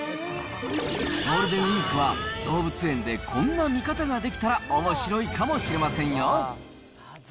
ゴールデンウィークは、動物園でこんな見方ができたらおもしろいかもしれませんよ。